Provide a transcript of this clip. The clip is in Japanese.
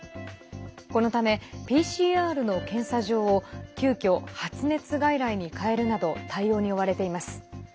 このため、ＰＣＲの検査場を急きょ、発熱外来に変えるなど対応に追われています。